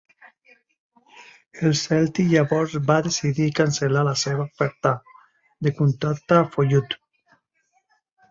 El Celtic llavors va decidir cancel·lar la seva oferta de contracte a Fojut.